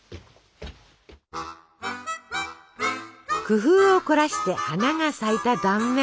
工夫を凝らして花が咲いた断面。